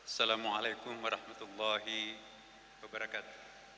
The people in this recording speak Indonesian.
assalamualaikum warahmatullahi wabarakatuh